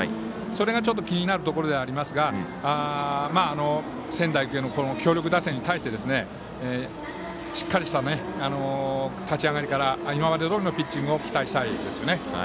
それが、ちょっと気になるところではありますが仙台育英の強力打線に対してしっかりした立ち上がりから今までどおりのピッチングを期待したいですね。